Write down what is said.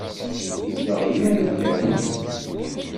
Tezdeɣ deg Marikan.